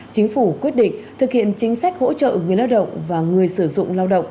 chính phủ quyết định thực hiện chính sách hỗ trợ người lao động và người sử dụng lao động